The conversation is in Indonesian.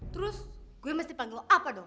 terus gue mesti panggil apa dong